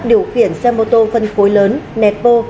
điều khiển xe mô tô phân phối lớn netpo